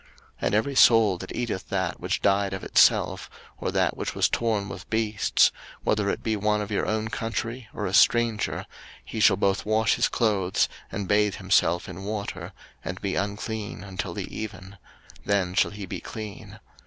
03:017:015 And every soul that eateth that which died of itself, or that which was torn with beasts, whether it be one of your own country, or a stranger, he shall both wash his clothes, and bathe himself in water, and be unclean until the even: then shall he be clean.